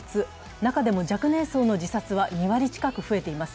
中でも若年層の自殺は２割近く増えています。